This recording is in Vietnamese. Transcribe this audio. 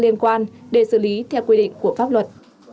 liên quan để xử lý theo quy định của pháp luật